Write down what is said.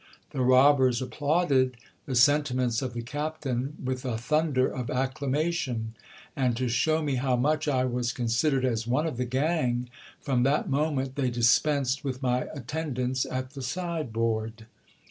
The robbers applauded the sentiments of the captain with a thunder of acclamation ; and to show me how much I was considered as one of the gang, from that moment they dispensed with my attendance at the side board.